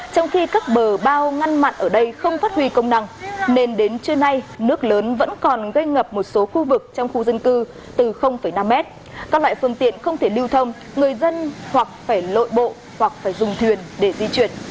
trong khi các bờ bao ngăn mặn ở đây không phát huy công năng nên đến trưa nay nước lớn vẫn còn gây ngập một số khu vực trong khu dân cư từ năm mét các loại phương tiện không thể lưu thông người dân hoặc phải lội bộ hoặc phải dùng thuyền để di chuyển